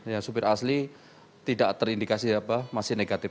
ya sopir asli tidak terindikasi apa masih negatif